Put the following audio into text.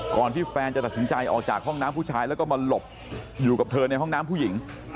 ก่อนที่แฟนจะตัดสินใจออกจากห้องน้ำผู้ชายแล้วก็มาหลบอยู่กับเธอในห้องน้ำผู้หญิง